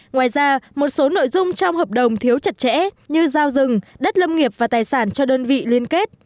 ngoài ra một số nội dung trong hợp đồng thiếu chặt chẽ như giao rừng đất lâm nghiệp và tài sản cho đơn vị liên kết